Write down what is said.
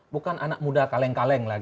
bukan anak muda kaleng kaleng